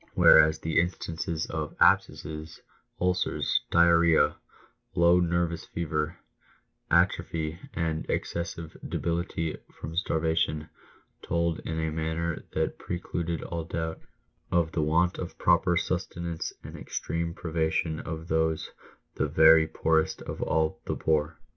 Whereas the instances of " abscesses," "ulcers," "diarrhoea," "low nervous fever," "atro phy," and " excessive debility from starvation" tol4>in a manner that precluded all doubt> of the want of proper sustenance and extreme ,p privation of those, the very poorest of all the poor.